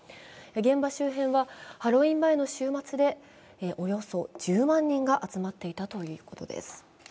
現場周辺はハロウィーン前の週末でおよそ１０万人が集まっていたということです。